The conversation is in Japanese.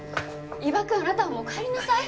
伊庭くんあなたはもう帰りなさい。